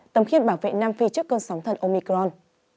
tầm khiết bảo vệ nam phi trước cơn sóng thần omicron